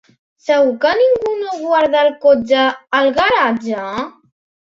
Segur que ningú no guarda el cotxe al garatge?